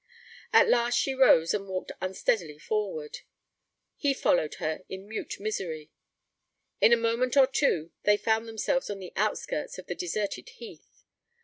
At last she rose and walked unsteadily forward. He followed her in mute misery. In a moment or two they found themselves on the outskirts of the deserted heath.